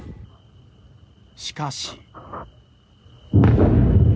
しかし。